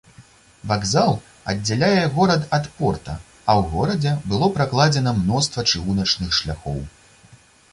Вакзал аддзяляе горад ад порта, а ў горадзе было пракладзена мноства чыгуначных шляхоў.